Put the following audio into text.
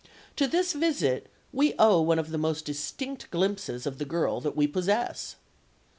To this visit we owe one of the most distinct glimpses of the girl that we possess.